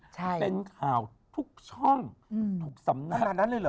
เป็นข่าวทุกช่องทุกสำนัก